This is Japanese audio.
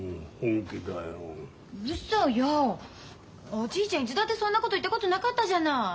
おじいちゃんいつだってそんなこと言ったことなかったじゃない。